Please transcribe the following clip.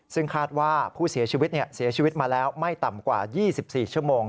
ซึ่งคาดว่าผู้เสียชีวิตเสียชีวิตมาแล้วไม่ต่ำกว่า๒๔ชั่วโมง